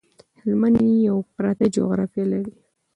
هلمند یو پراته جغرافيه لري